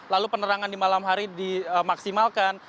lalu penerangan di malam hari dimaksimalkan